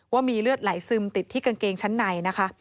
ว่ามีเลือดไหลซึมติดที่กางเกงชั้นในนะคะ